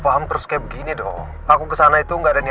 kamu fikir aku bodoh